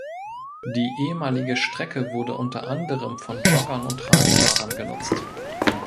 Die ehemalige Strecke wurde unter anderem von Joggern und Radfahrern genutzt.